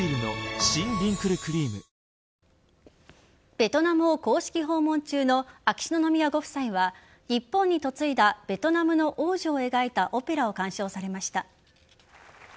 ベトナムを公式訪問中の秋篠宮ご夫妻は日本に嫁いだベトナムの王女を描いたオペラを鑑賞されました。